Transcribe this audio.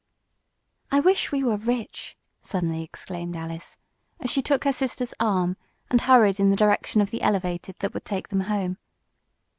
"I wish we were rich!" suddenly exclaimed Alice, as she took her sister's arm, and hurried in the direction of the elevated that would take them home.